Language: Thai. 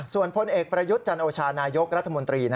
ส่วนพลเอกประยุทธ์จันโอชานายกรัฐมนตรี